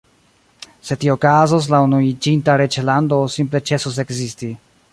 Se tio okazos, la Unuiĝinta Reĝlando simple ĉesos ekzisti.